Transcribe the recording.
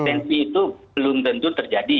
potensi itu belum tentu terjadi